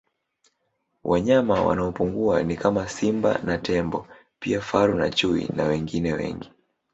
Wanyama wanaopungua ni kama Simba na Tembo pia Faru na Chui na wengine wengi